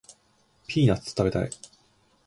ピーナッツ食べたい